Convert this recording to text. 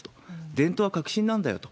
伝統は革新なんだよと。